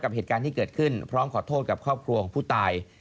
เหตุการณ์ที่เกิดขึ้นพร้อมขอโทษกับครอบครัวของผู้ตาย